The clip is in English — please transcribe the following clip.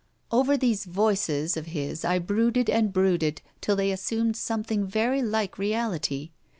Over these 'voices' of his I brooded and brooded till they assumed some thing very like reality.